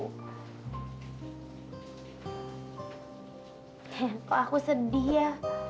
kok aku sedih ya